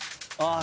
あ。